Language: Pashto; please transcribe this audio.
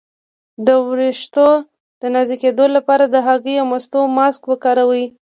د ویښتو د نازکیدو لپاره د هګۍ او مستو ماسک وکاروئ